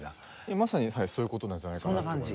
まさにそういう事なんじゃないかなと思いますね。